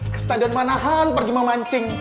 kestadian manahan pergi memancing